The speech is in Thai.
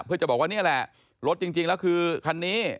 เพื่อจะบอกว่านี่แหละรถจริงแล้วคือคันนี้